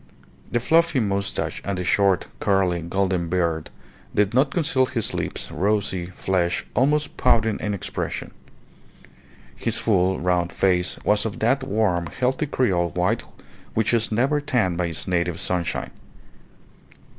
The fluffy moustache and the short, curly, golden beard did not conceal his lips, rosy, fresh, almost pouting in expression. His full, round face was of that warm, healthy creole white which is never tanned by its native sunshine.